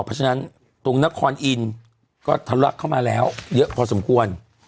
เพราะฉะนั้นตรงนครอ็งอินก็ถระเข้ามาแล้วเยอะพอสมควร